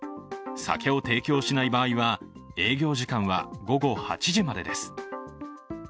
酒を提供しない場合は営業時間は午後８時までです。